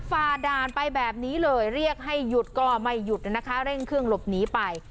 ฝ่าด่านไปแบบนี้เลยเรียกให้หยุดก็ไม่หยุดนะคะเร่งเครื่องหลบหนีไป